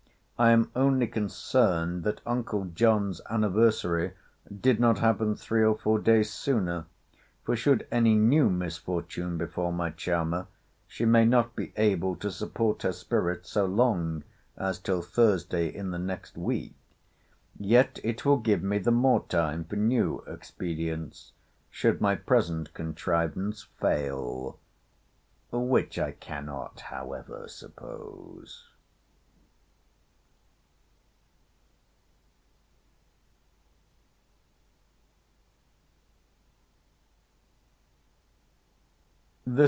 I am only concerned that uncle John's anniversary did not happen three or four days sooner; for should any new misfortune befal my charmer, she may not be able to support her spirits so long as till Thursday in the next week. Yet it will give me the more time for new expedients, should my present contrivance fail; which I cannot however suppose.